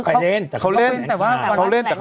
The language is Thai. ไปดูดิ